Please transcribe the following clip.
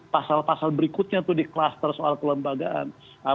pasal pasal berikutnya itu di kluster soal kelembagaan